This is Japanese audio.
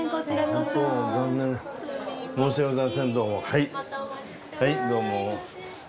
はいどうも。